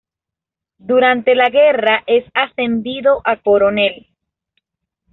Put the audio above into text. Durante la guerra es ascendido a coronel.